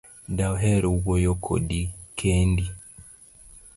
Daher wuoyo Kodi kendi